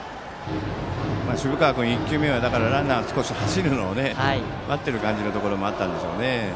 渋川君は１球目はランナーが走るのを少し待っている感じもあったんでしょうね。